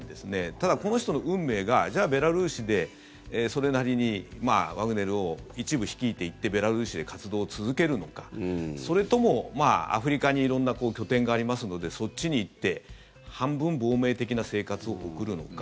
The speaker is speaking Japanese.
ただ、この人の運命がじゃあ、ベラルーシでそれなりにワグネルを一部率いていってベラルーシで活動を続けるのかそれとも、アフリカに色んな拠点がありますのでそっちに行って半分亡命的な生活を送るのか。